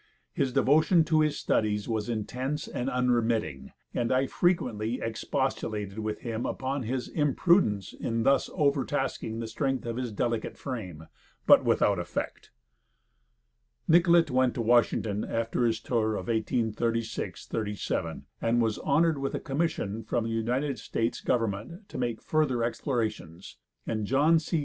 His devotion to his studies was intense and unremitting, and I frequently expostulated with him upon his imprudence in thus overtasking the strength of his delicate frame, but without effect." Nicollet went to Washington after his tour of 1836 37, and was honored with a commission from the United States government to make further explorations, and John C.